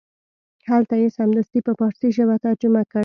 هلته یې سمدستي په فارسي ژبه ترجمه کړ.